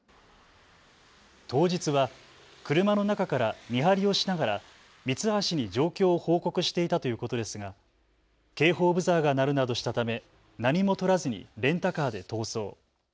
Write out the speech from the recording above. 当日は車の中から見張りをしながらミツハシに状況を報告していたということですが警報ブザーが鳴るなどしたため何もとらずにレンタカーで逃走。